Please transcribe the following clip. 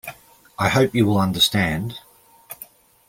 I hope you will understand.